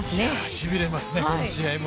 しびれますね、この試合も。